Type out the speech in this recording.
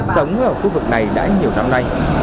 sống ở khu vực này đã nhiều năm nay